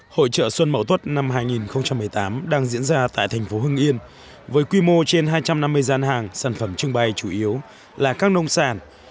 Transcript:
hội trợ xuân mậu tuất năm hai nghìn một mươi tám đang diễn ra tại thành phố hưng yên với quy mô trên hai trăm năm mươi gian hàng sản phẩm trưng bày chủ yếu là các nông sản